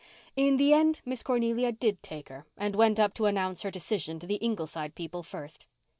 In the end Miss Cornelia did take her and went up to announce her decision to the Ingleside people first.